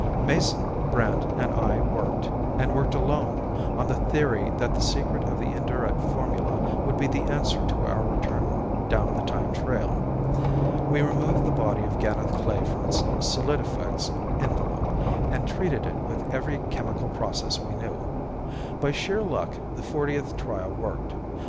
Mason, Brandt, and I worked, and worked alone, on the theory that the secret of the Indurate formula would be the answer to our return down the time trail. We removed the body of Ganeth Klae from its solidifex envelope and treated it with every chemical process we knew. By sheer luck the fortieth trial worked.